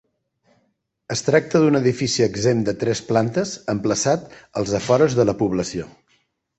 Es tracta d'un edifici exempt de tres plantes, emplaçat als afores de la població.